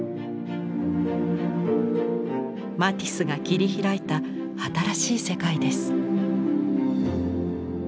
マティスが切り開いた新しい世界です。